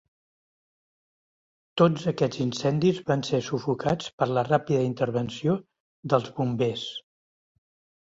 Tots aquests incendis van ser sufocats per la ràpida intervenció dels bombers.